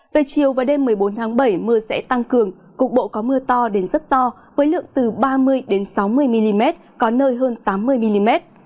về chiều và đêm một mươi bốn tháng bảy mưa sẽ tăng cường cục bộ có mưa to đến rất to với lượng từ ba mươi sáu mươi mm có nơi hơn tám mươi mm